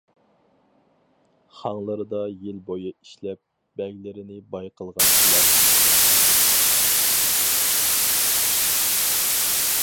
خاڭلىرىدا يىل بويى ئىشلەپ، بەگلىرىنى باي قىلغان شۇلار.